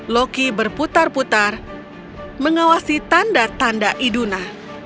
loki berputar putar mengawasi tanda tanda iduna